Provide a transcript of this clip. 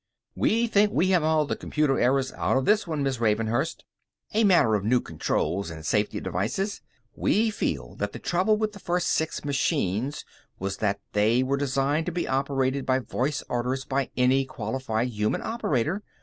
"We think we have all the computer errors out of this one, Miss Ravenhurst. A matter of new controls and safety devices. We feel that the trouble with the first six machines was that they were designed to be operated by voice orders by any qualified human operator.